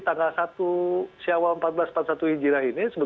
tanggal satu siawal empat belas empat puluh satu hijrah ini